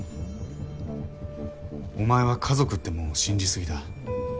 お前は家族ってもんを信じすぎだ。